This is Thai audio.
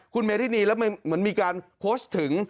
คุณเมรินีแล้วเหมือนมีการโพสต์ถึง